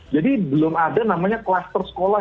jadi belum ada kemampuan untuk mengurangi adanya kasus sekolah